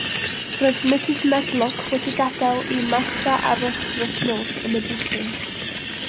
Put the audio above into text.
Roedd Mrs. Medlock wedi gadael i Martha aros dros nos yn y bwthyn.